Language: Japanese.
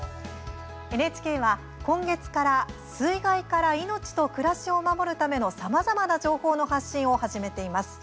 ＮＨＫは、今月から水害から命と暮らしを守るためのさまざまな情報の発信を始めています。